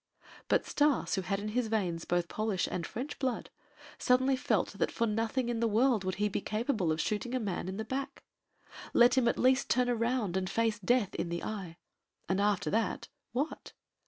But Stas, who had in his veins both Polish and French blood, suddenly felt that for nothing in the world could he be capable of shooting a man in the back. Let him at least turn around and face death in the eye. And after that, what?